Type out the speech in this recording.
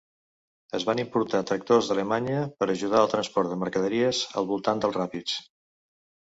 Es van importar tractors d'Alemanya per ajudar el transport de mercaderies al voltant dels ràpids.